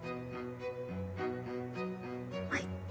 はい。